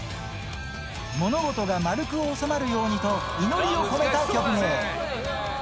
物事が丸く収まるようにと、祈りを込めた曲芸。